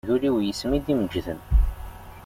D ul-iw yes-m i d-imeǧǧden.